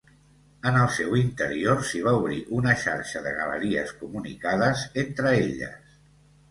En el seu interior s'hi va obrir una xarxa de galeries comunicades entre elles.